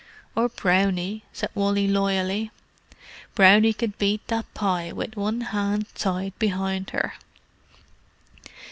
"Or Brownie," said Wally loyally. "Brownie could beat that pie with one hand tied behind her."